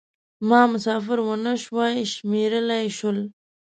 ما مسافر و نه شوای شمېرلای شول.